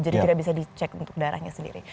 jadi tidak bisa dicek untuk darahnya sendiri